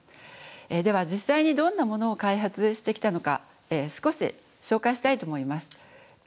では実際にどんなものを開発してきたのか少し紹介したいと思います。